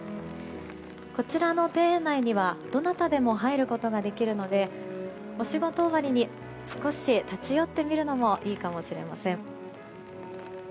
こちらの庭園内にはどなたでも入ることができるのでお仕事終わりに少し立ち寄ってみるのもいいかもしれません。